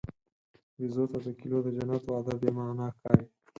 بیزو ته د کیلو د جنت وعده بېمعنی ښکاري.